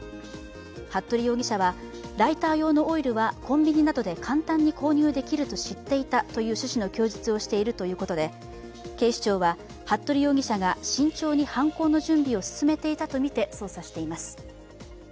服部容疑者は、ライター用のオイルはコンビニなどで簡単に購入できると知っていたという趣旨の供述をしているということで、警視庁は服部容疑者が慎重に犯行の準備を進めていたとみて捜査しています。